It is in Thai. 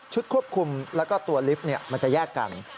ชุดควบคุมและตัวลิฟท์จะแยกกัน